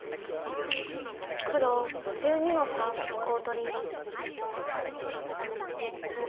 黒１２の三コウ取り。